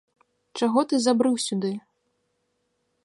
Чаго ты забрыў сюды?